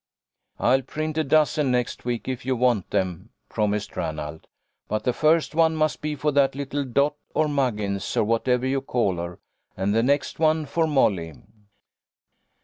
"I'll print a dozen next week if you want them," promised Ranald, " but the first one must be for that little Dot or Muggins, or whatever you call her, and the next one for Molly."